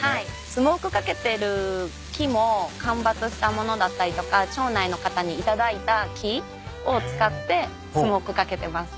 スモークかけてる木も間伐したものだったりとか町内の方に頂いた木を使ってスモークかけてます。